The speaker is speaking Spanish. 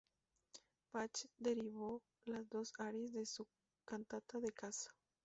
Bach derivó las dos arias de su "Cantata de caza".